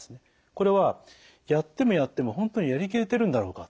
これはやってもやっても本当にやりきれてるんだろうか。